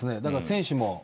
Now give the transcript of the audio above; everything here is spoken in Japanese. だから選手にも。